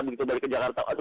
begitu balik ke jakarta